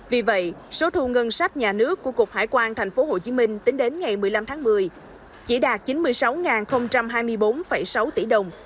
vì vậy số thu ngân sách nhà nước của cục hải quan tp hcm tính đến ngày một mươi năm tháng một mươi chỉ đạt chín mươi sáu hai mươi bốn sáu tỷ đồng